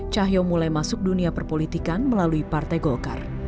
cahyo mulai masuk dunia perpolitikan melalui partai golkar